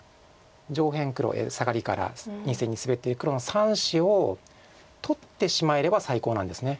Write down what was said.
上辺黒サガリから２線にスベってる黒の３子を取ってしまえれば最高なんです。